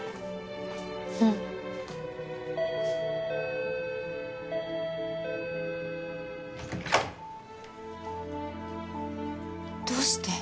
うんどうして？